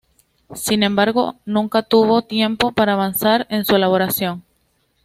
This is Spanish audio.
Sin embargo, nunca tuvo tiempo para avanzar en su elaboración.